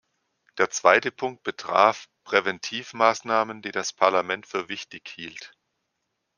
Der zweite Punkt betraf Präventivmaßnahmen, die das Parlament für wichtig hielt.